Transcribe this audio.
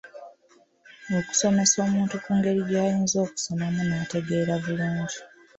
Okusomesa omuntu ku ngeri gy'ayinza okusomamu n'ategeera bulungi .